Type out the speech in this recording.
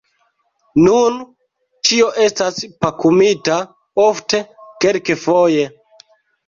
Nun ĉio estas pakumita, ofte kelkfoje!